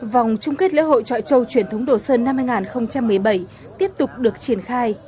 vòng chung kết lễ hội trọi trâu truyền thống đồ sơn năm hai nghìn một mươi bảy tiếp tục được triển khai